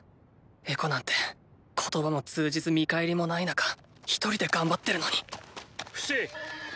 エコなんて言葉も通じず見返りもない中一人で頑張ってるのにフシ！